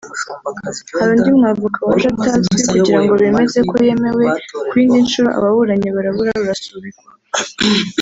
hari undi mu avocat waje atazwi kugira ngo bemeze ko yemewe ku yindi nshuro ababuranyi barabura rusasubikwa